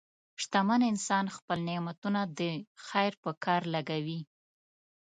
شتمن انسان خپل نعمتونه د خیر په کار لګوي.